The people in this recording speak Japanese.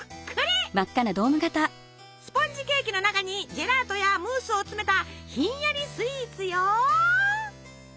スポンジケーキの中にジェラートやムースを詰めたひんやりスイーツよ！